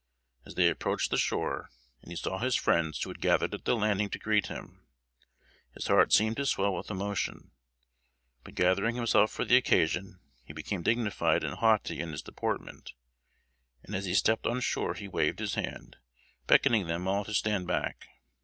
As they approached the shore, and he saw his friends who had gathered at the landing to greet him, his heart seemed to swell with emotion; but gathering himself for the occasion he became dignified and haughty in his deportment, and as he stepped on shore be waived his hand, beckoning them all to stand back.